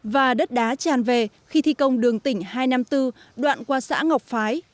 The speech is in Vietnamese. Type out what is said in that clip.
và đất đá tràn về khi thi công đường tỉnh hai trăm năm mươi bốn đoạn qua xã ngọc phái